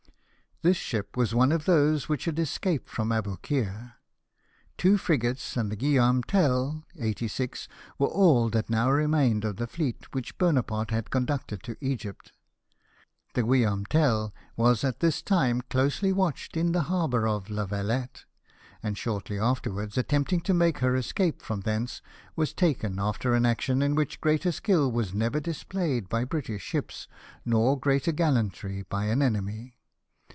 This ship was one of those which had escaped from Aboukir. Two frigates and the Guill aurtie Tell, 86, were all that now remained of the fleet which Bonaparte had conducted to Egypt. The Guillaume Tell was at this time closely watched in the harbour of La Valette ; and shortly afterwards, attempting to make her escape from thence, Avas taken after an action in which greater skill was never displayed by British ships, nor greater gallantry by an enemy.